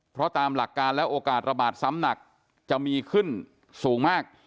เพราะตามหลักการแล้วโอกาสระบาดซ้ำหนักจะมีขึ้นสูงมาก